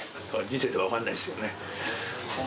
人生って分かんないですよね。